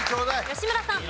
吉村さん。